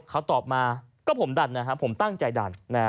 เขาตอบมาก็ผมดันนะครับผมตั้งใจดัน